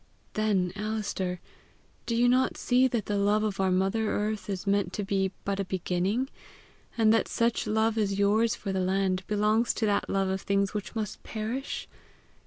"Then, Alister, do you not see that the love of our mother earth is meant to be but a beginning; and that such love as yours for the land belongs to that love of things which must perish?